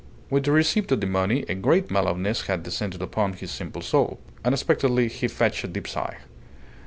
With the receipt of the money a great mellowness had descended upon his simple soul. Unexpectedly he fetched a deep sigh.